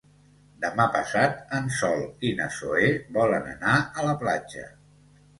Demà passat en Sol i na Zoè volen anar a la platja.